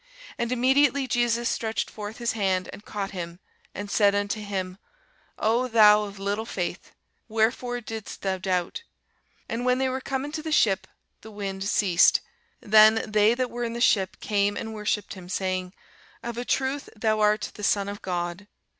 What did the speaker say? And immediately Jesus stretched forth his hand, and caught him, and said unto him, O thou of little faith, wherefore didst thou doubt? And when they were come into the ship, the wind ceased. Then they that were in the ship came and worshipped him, saying, Of a truth thou art the Son of God.